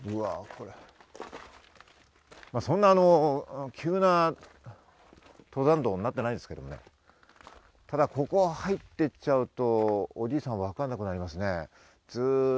そんなに急な登山道にはなってないんですけど、ただ、ここを入ってっちゃうとおじいさんは分からなくなりますね。